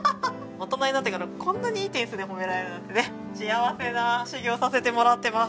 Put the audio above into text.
大人になってからこんなにいい点数で褒められるなんてね幸せな修業させてもらってます。